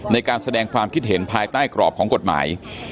ในการแสดงความคิดเห็นภายใต้กรอบของกฎหมาย